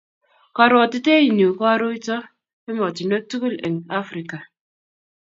Karwotitoenyu ko aruto emotinweek tugul eng Africa.